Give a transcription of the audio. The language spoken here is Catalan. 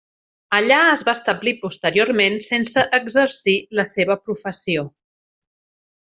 Allà es va establir posteriorment sense exercir la seva professió.